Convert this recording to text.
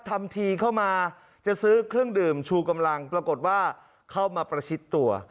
ทำทีเข้ามาจะซื้อเครื่องดื่มชูกำลังปรากฏว่าเข้ามาประชิดตัว